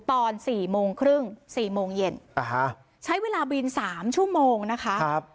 ตอน๔โมงครึ่ง๔โมงเย็นใช้เวลาบิน๓ชั่วโมงนะคะ